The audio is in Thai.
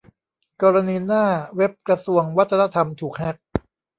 กรณีหน้าเว็บกระทรวงวัฒนธรรมถูกแฮ็ก